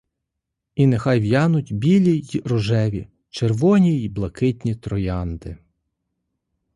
І нехай в'януть білі й рожеві, червоні й блакитні троянди.